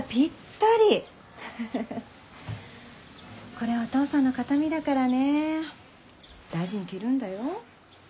これお父さんの形見だからね大事に着るんだよ。